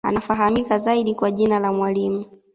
Anafahamika zaidi kwa jina la Mwalimu